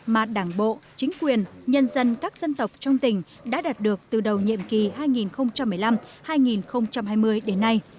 mà đảng bộ chính quyền nhân dân các dân tộc trong tỉnh đã đạt được từ đầu nhiệm kỳ hai nghìn một mươi năm hai nghìn hai mươi đến nay